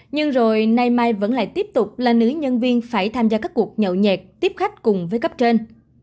nhưng rồi nay mai vẫn lại tiếp tục là nữ nhân viên phải tham gia các cuộc nhậu nhẹt khách cùng với cấp trên